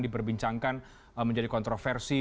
diperbincangkan menjadi kontroversi